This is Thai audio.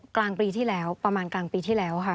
กลางปีที่แล้วประมาณกลางปีที่แล้วค่ะ